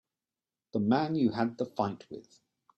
The man you had the fight with.